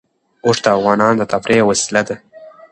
اوښ د افغانانو د تفریح یوه وسیله ده.